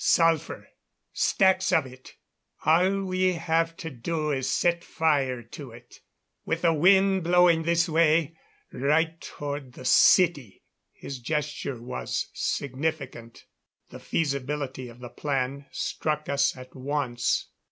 "Sulphur stacks of it. All we have to do is set fire to it. With the wind blowing this way right toward the city " His gesture was significant. The feasibility of the plan struck us at once.